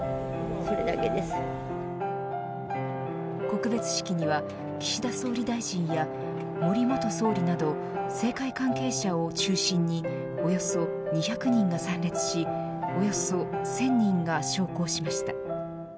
告別式には岸田総理大臣や森元総理など政界関係者を中心におよそ２００人が参列しおよそ１０００人が焼香しました。